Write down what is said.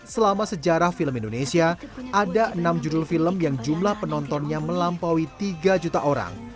selama sejarah film indonesia ada enam judul film yang jumlah penontonnya melampaui tiga juta orang